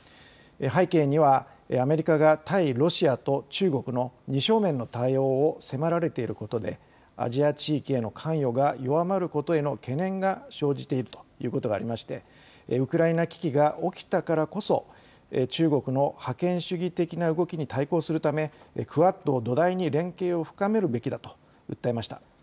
背景にはアメリカが対ロシアと中国の二正面の対応を迫られていることでアジア地域への関与が弱まることへの懸念が生じているということがありましてウクライナ危機が起きたからこそ中国の覇権主義的な動きに対抗するためクアッドを土台に連携を深めるべきだと訴えました。